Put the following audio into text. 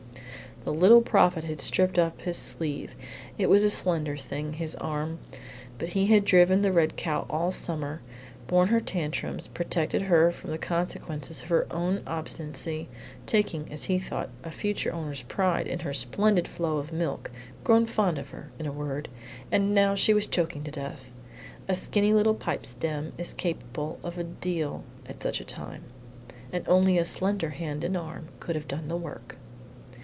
The Little Prophet had stripped up his sleeve. It was a slender thing, his arm; but he had driven the red cow all summer, borne her tantrums, protected her from the consequences of her own obstinacy, taking (as he thought) a future owner's pride in her splendid flow of milk grown fond of her, in a word, and now she was choking to death. A skinny little pipe stem is capable of a deal at such a time, and only a slender hand and arm could have done the work.